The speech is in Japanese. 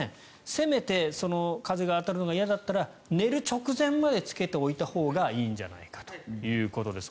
せめて風が当たるのが嫌だったら寝る直前までつけておいたほうがいいんじゃないかということです